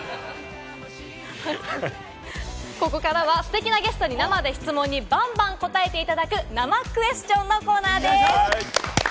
ここからはステキなゲストに生で質問にバンバン答えていただく、生クエスチョンのコーナーです。